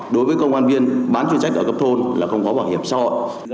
đối với công an viên bán chuyên trách ở cấp thôn là không có bảo hiệp so ở